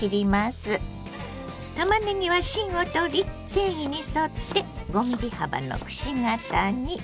たまねぎは芯を取り繊維に沿って５ｍｍ幅のくし形に。